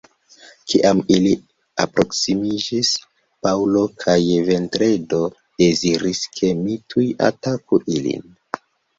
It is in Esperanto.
Kiam ili aproksimiĝis, Paŭlo kaj Vendredo deziris ke mi tuj ataku ilin.